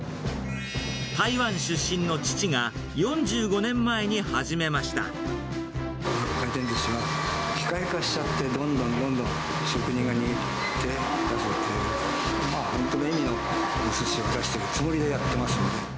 台湾出身の父が４５年前に始めま回転ずしは機械化しちゃって、どんどんどんどん、職人が握って出すっていう、本当の意味のおすしを出してるつもりでやってますね。